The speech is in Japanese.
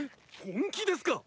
本気ですか